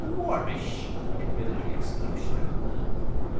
"Warmish," admitted the executioner.